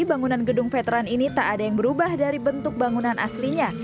bangunan gedung veteran ini tak ada yang berubah dari bentuk bangunan aslinya